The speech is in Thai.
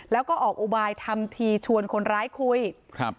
แล้วก็ออกอุบายทำทีชวนคนร้ายคุยครับ